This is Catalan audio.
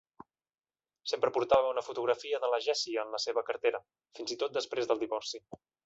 Sempre portava una fotografia de la Jessie en la seva cartera, fins i tot després del divorci.